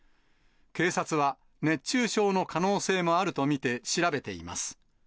警察は、熱中症の可能性もあると見て調べています。